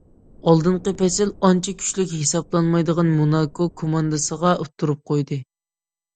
ئالدىنقى پەسىل ئانچە كۈچلۈك ھېسابلانمايدىغان موناكو كوماندىسىغا ئۇتتۇرۇپ قويدى.